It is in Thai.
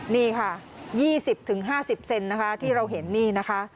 นี่ค่ะยี่สิบถึงห้าสิบเซนนะคะที่เราเห็นนี่นะคะ